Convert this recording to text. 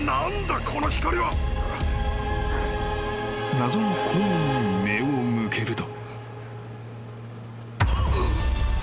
［謎の光源に目を向けると］